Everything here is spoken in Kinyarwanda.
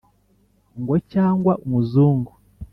ngo cyangwa umuzungu